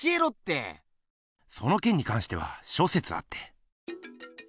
そのけんに関しては諸説あって。